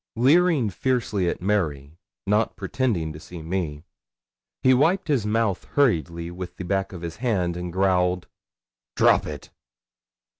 Leering fiercely at Mary, not pretending to see me, he wiped his mouth hurriedly with the back of his hand, and growled 'Drop it.'